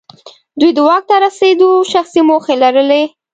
دوی د واک ته رسېدو شخصي موخې لرلې.